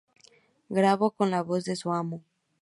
Grabó con La Voz de su Amo.